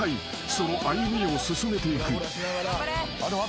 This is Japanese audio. その歩みを進めていく］